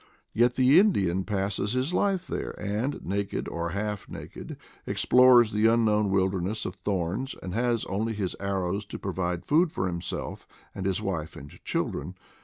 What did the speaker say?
Yet the Indian passes his life there, and, naked or half naked, explores the unknown wilderness of thorns, and has only his arrows to provide food for him self and his wife and children.